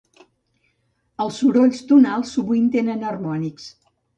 Els sorolls tonals sovint tenen harmònics.